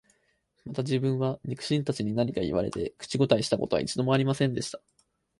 また自分は、肉親たちに何か言われて、口応えした事は一度も有りませんでした